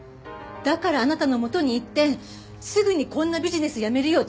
だからあなたの元に行ってすぐにこんなビジネスやめるよう忠告した。